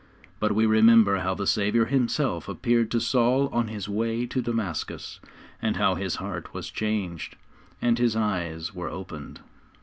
But we remember how the Saviour Himself appeared to Saul on his way to Damascus, and how his heart was changed, and his eyes were opened.